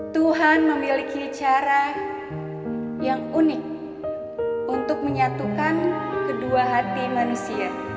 tuhan memiliki cara yang unik untuk menyatukan kedua hati manusia